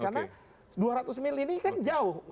karena dua ratus mil ini kan jauh